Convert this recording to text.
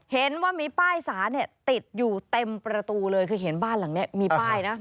เห็นว่ามีป้ายสารเนี่ยติดอยู่เต็มประตูเลยคือเห็นบ้านหลังนี้มีป้ายนะ